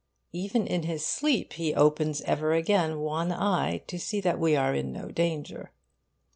Even in his sleep he opens ever and again one eye to see that we are in no danger.